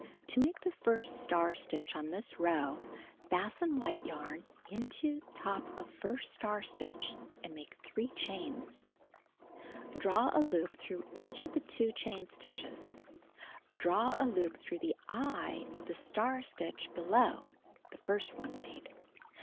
To make the first star stitch on this row — fasten white yarn into top of first star stitch and make 3 chains. Draw a loop through each of 2 chain stitches. Draw a loop tlirough the "eye" of the star stitch below (the first one made)